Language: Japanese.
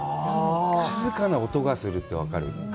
静かな音がするって、分かる？